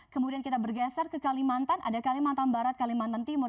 kemudian kita bergeser ke kalimantan ada kalimantan barat kalimantan timur